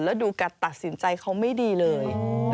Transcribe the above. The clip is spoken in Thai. แล้วดูการตัดสินใจเขาไม่ดีเลย